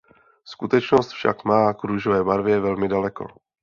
Skutečnost však má k růžové barvě velmi daleko.